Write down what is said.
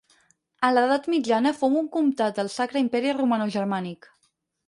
A l'edat mitjana fou un comtat del Sacre Imperi Romanogermànic.